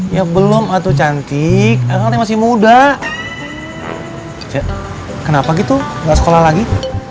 ya belum atuh cantik masih muda kenapa gitu enggak sekolah lagi